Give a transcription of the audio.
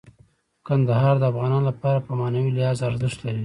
کندهار د افغانانو لپاره په معنوي لحاظ ارزښت لري.